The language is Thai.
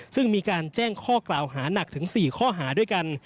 ซึ่งมีการแจ้งข้อกล่าวหานักถึง๔ข้อหาด้วยกัน